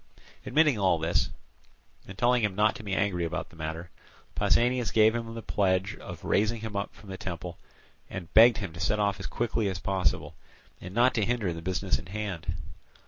Admitting all this, and telling him not to be angry about the matter, Pausanias gave him the pledge of raising him up from the temple, and begged him to set off as quickly as possible, and not to hinder the business in hand.